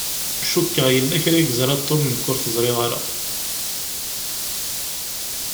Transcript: Cukkeɣ yella kra i yeẓṛa Tom nekk ur t-ẓṛiɣ ara.